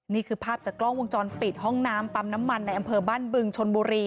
นี่คือภาพจากกล้องวงจรปิดห้องน้ำปั๊มน้ำมันในอำเภอบ้านบึงชนบุรี